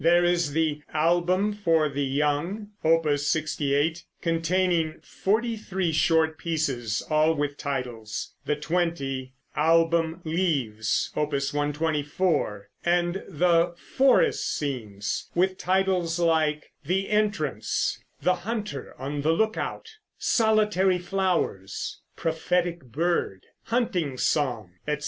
There is the "Album for the Young," Opus 68, containing forty three short pieces, all with titles; the twenty "Album Leaves," Opus 124, and the "Forest Scenes," with titles like "The Entrance," "The Hunter on the Lookout," "Solitary Flowers," "Prophetic Bird," "Hunting Song," etc.